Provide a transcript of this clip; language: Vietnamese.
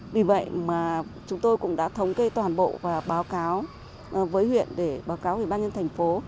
vì vậy mà chúng tôi cũng đã thống kê toàn bộ và báo cáo với huyện để báo cáo ủy ban nhân thành phố